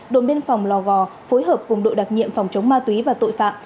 đồn biên phòng lò gò phối hợp cùng đội đặc nhiệm phòng chống ma túy và tội phạm